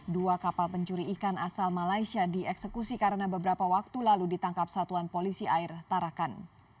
dua kapal pencuri ikan asal malaysia dieksekusi karena beberapa waktu lalu ditangkap satuan polisi air tarakan